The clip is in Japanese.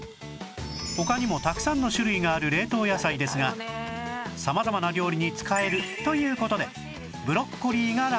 他にもたくさんの種類がある冷凍野菜ですが様々な料理に使えるという事でブロッコリーがランクイン